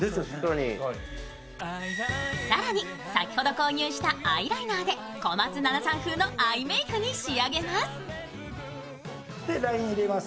更に先ほど購入したアイライナーで小松菜奈さん風のアイメークに仕上げます。